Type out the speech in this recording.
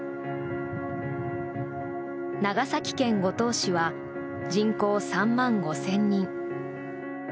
長崎県五島市は人口３万５０００人。